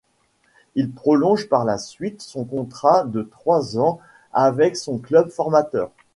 Il prolonge par la suite son contrat de trois ans avec son club formateur.